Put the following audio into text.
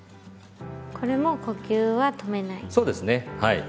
これも呼吸は止めない。